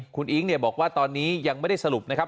คุณอิ๊งบอกว่าตอนนี้ยังไม่ได้สรุปนะครับ